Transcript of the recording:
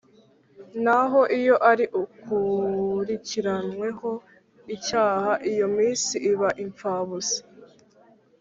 naho iyo ari ukurikiranyweho icyaha iyo minsi iba imfabusa